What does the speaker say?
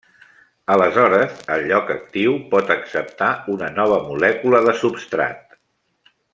Aleshores, el lloc actiu pot acceptar una nova molècula de substrat.